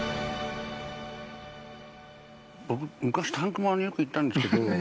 僕昔たん熊によく行ったんですけど。